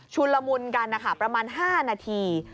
ชุนละมุนกันประมาณ๕นาที